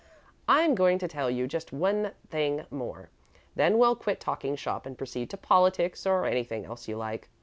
I'm going to tell you just one thing more, then we'll quit talking shop and proceed to politics or anything else you like.